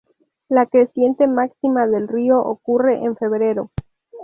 La creciente máxima del río ocurre en febrero.